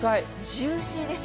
ジューシーです。